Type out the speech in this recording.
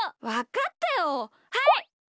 わかったよはい！